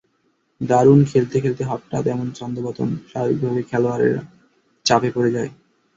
দারুণ খেলতে খেলতে হঠাৎ এমন ছন্দপতন- স্বাভাবিকভাবেই খেলোয়াড়েরা চাপে পড়ে যায়।